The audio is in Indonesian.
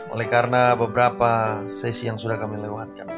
oleh karena beberapa sesi yang sudah kami lewatkan